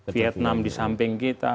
vietnam di samping kita